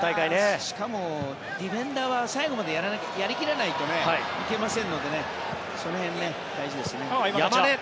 しかもディフェンダーは最後までやり切らないといけませんのでその辺大事ですね。